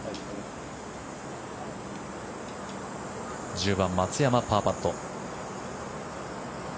１０番、松山パーパット。